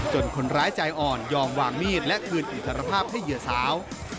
คนร้ายใจอ่อนยอมวางมีดและคืนอิสรภาพให้เหยื่อสาว